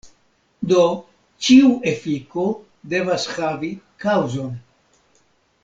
Do, ĉiu efiko devas havi kaŭzon.